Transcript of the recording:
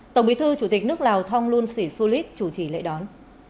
tổng bí thư chủ tịch nước lào thong luân sĩ su lít chủ trì lễ đón